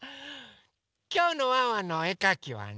きょうのワンワンのおえかきはね